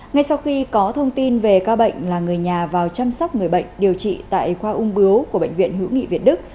ngay sau khi có thông tin về ca bệnh là người nhà vào chăm sóc người bệnh điều trị tại khoa ung bướu của bệnh viện hữu nghị việt đức